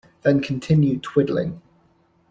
Then continue twiddling.